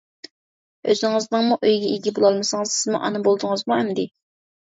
ئۆزىڭىزنىڭمۇ ئۆيىگە ئىگە بولالمىسىڭىز سىزمۇ ئانا بولدىڭىزمۇ ئەمدى؟ !